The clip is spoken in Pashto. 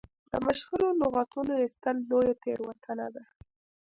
د مشهورو لغتونو ایستل لویه تېروتنه ده.